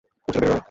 ও ছিল বেগুনি রঙের।